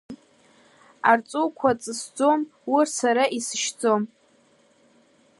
Арҵуқәа ҵысӡом, урҭ сара исышьӡом.